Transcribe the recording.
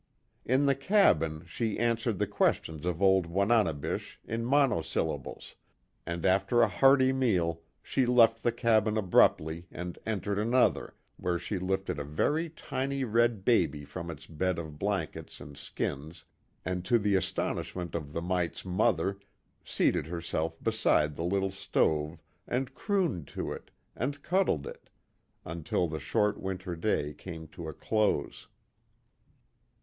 In the cabin, she answered the questions of old Wananebish in monosyllables, and after a hearty meal, she left the cabin abruptly and entered another, where she lifted a very tiny red baby from its bed of blankets and skins, and to the astonishment of the mite's mother, seated herself beside the little stove, and crooned to it, and cuddled it, until the short winter day came to a close.